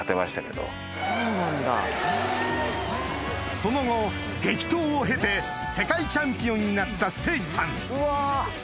その後激闘を経て世界チャンピオンになった誠司さん